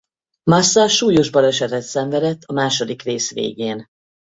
Massa súlyos balesetet szenvedett a második rész végén.